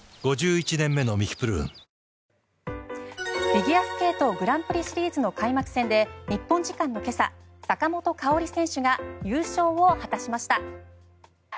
フィギュアスケートグランプリシリーズの開幕戦で日本時間の今朝、坂本花織選手が優勝を果たしました。